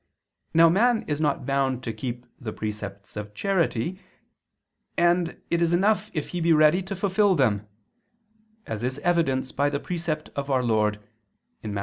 Now man is not bound to keep the precepts of charity, and it is enough if he be ready to fulfil them: as is evidenced by the precept of Our Lord (Matt.